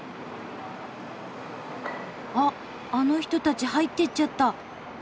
あっあの人たち入ってっちゃった。